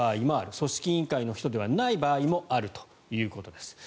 組織委員会の人ではない場合もあるということです。